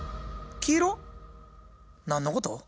何のこと？